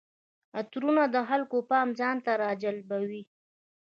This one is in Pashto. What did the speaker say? عطرونه د خلکو پام ځان ته راجلبوي.